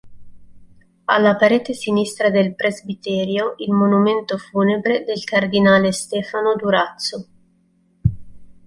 Alla parete sinistra del presbiterio, il monumento funebre del cardinale Stefano Durazzo.